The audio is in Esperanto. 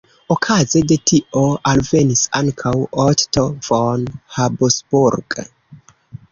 Okaze de tio alvenis ankaŭ Otto von Habsburg.